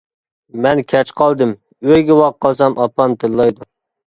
-مەن كەچ قالدىم ئۆيگە ۋاق قالسام ئاپام تىللايدۇ.